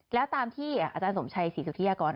แล้วตามที่อาจารย์สมชัยศรีสุธิยากร